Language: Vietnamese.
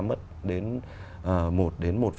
mất đến một đến